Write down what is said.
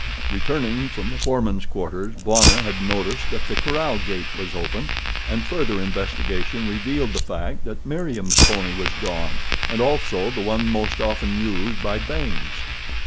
Returning from the foreman's quarters Bwana had noticed that the corral gate was open and further investigation revealed the fact that Meriem's pony was gone and also the one most often used by Baynes.